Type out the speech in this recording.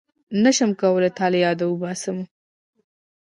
نشم کولای تا له ياده وباسم